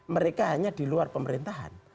mereka hanya di luar pemerintahan